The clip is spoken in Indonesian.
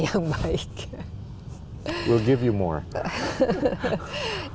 kita akan memberikan lebih banyak